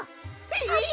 えっ！？